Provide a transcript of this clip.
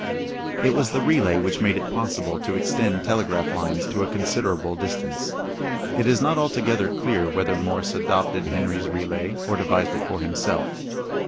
It was the relay which made it possible to extend telegraph lines to a considerable distance. It is not altogether clear whether Morse adopted Henry's relay or devised it for himself.